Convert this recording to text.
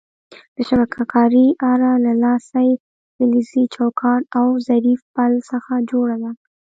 د شبکې کارۍ اره له لاسۍ، فلزي چوکاټ او ظریف پل څخه جوړه ده.